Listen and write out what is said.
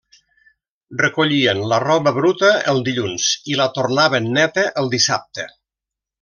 Recollien la roba bruta el dilluns i la tornaven neta el dissabte.